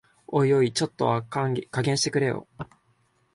おいおい、ちょっとは加減してくれよ